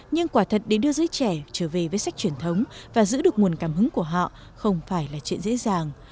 nhưng quả thật để đưa giới trẻ trở về với sách truyền thống và giữ được nguồn cảm hứng của họ không phải là chuyện dễ dàng